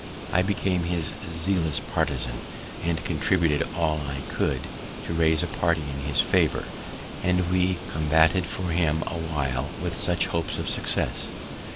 I became his zealous partisan, and contributed all I could to raise a party in his favour, and we combated for him awhile with some hopes of success.